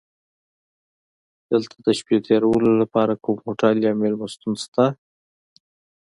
دلته د شپې تېرولو لپاره کوم هوټل یا میلمستون شته؟